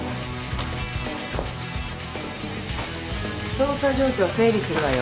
捜査状況整理するわよ。